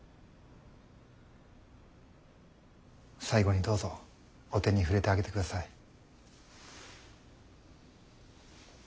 最後にどうぞお手に触れてあげてください。